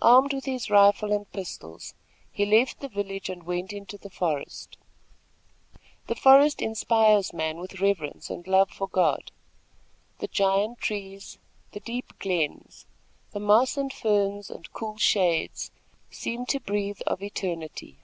Armed with his rifle and pistols, he left the village and went into the forest. The forest inspires man with reverence and love for God. The giant trees, the deep glens, the moss and ferns and cool shades seem to breathe of eternity.